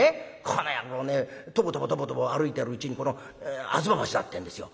この野郎ねとぼとぼとぼとぼ歩いてるうちに吾妻橋だってんですよ。